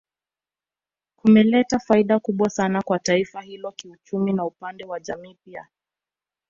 Kumeleta faida kubwa sana kwa taifa hilo kiuchumi na upande wa jamii pia